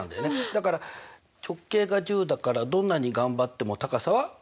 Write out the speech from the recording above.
だから直径が１０だからどんなに頑張っても高さは？